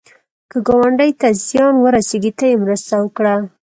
که ګاونډي ته زیان ورسېږي، ته یې مرسته وکړه